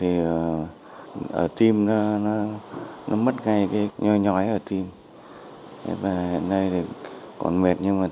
để điều trị những vấn đề trên